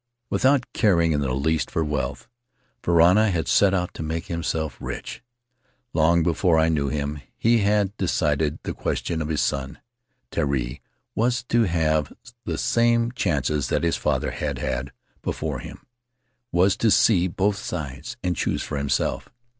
"Without caring in the least for wealth, Varana had set out to make himself rich. Long before I knew him he had decided the question of his son: Terii was to Faery Lands of the South Seas have the same chances that his father had had before him — was to see both sides and choose for himself.